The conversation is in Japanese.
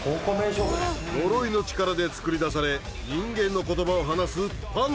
呪いの力で作り出され人間の言葉を話す。